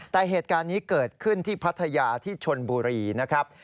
แต่เหตุการณ์นี้เกิดขึ้นที่พัทยาที่ชนบุรีนะครับ